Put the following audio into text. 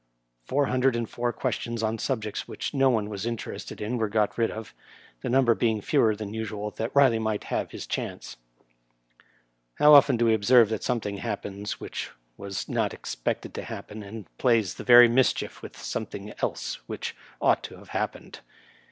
Four hundred and four questions on subjects which no one was interested in were got rid of, the number being fewer than usual that Riley might have hia chance. How often do we observe that something happens which was not expected to happen, and plays the very mischief with something else which ought to have hap pened.